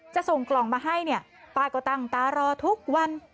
ส่งกล่องมาให้เนี่ยป้าก็ตั้งตารอทุกวัน